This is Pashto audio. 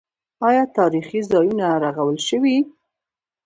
آیا تاریخي ځایونه رغول شوي؟